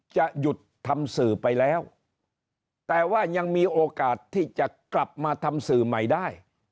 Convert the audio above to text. จะหยุดทำสื่อไปแล้วแต่ว่ายังมีโอกาสที่จะกลับมาทำสื่อใหม่ได้